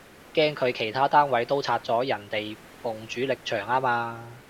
驚佢其他單位都拆咗人哋埲主力牆吖嘛